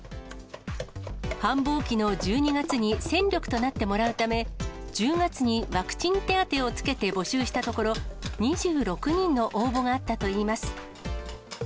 繁忙期の１２月に戦力となってもらうため、１０月にワクチン手当を付けて募集したところ、２６人の応募があったといいます。